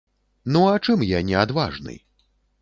Ну, а чым я не адважны?